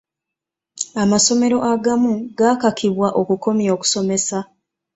Amasomero agamu gaakakibwa okukomya okusomesa.